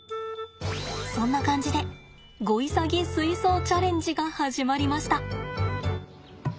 そんな感じでゴイサギ水槽チャレンジが始まりました。